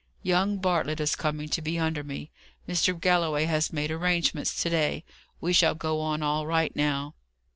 "Young Bartlett is coming to be under me. Mr. Galloway has made final arrangements to day. We shall go on all right now."